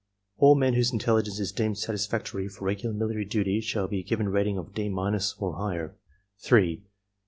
All men whose intelligence is deemed satisfactory for regular military duty shall be given rating of D— or higher. 3.